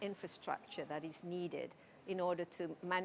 infrastruktur yang diperlukan